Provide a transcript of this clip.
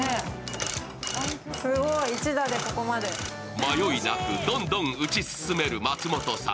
迷いなくどんどん打ち進める松本さん。